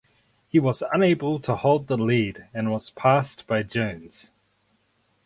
He was unable to hold the lead and was passed by Jones.